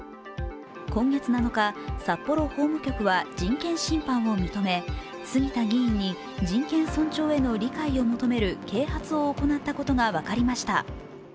今月７日、札幌法務局は人権侵犯を認め杉田議員に人権尊重への理解を求める啓発を行ったことが分かりました。